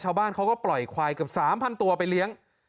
ชาวบ้านเขาก็ปล่อยควายเกือบ๓๐๐ตัวไปเลี้ยง